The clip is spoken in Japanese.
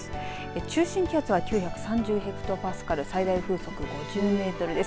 中心気圧は９３０ヘクトパスカル最大風速５０メートルです。